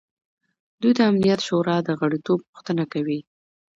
دوی د امنیت شورا د غړیتوب غوښتنه کوي.